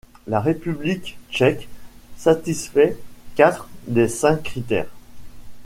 La République tchèque satisfait quatre des cinq critères.